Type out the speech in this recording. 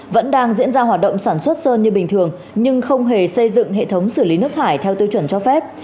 vẫn đang diễn ra hoạt động sản xuất sơn như bình thường nhưng không hề xây dựng hệ thống xử lý nước thải theo tiêu chuẩn cho phép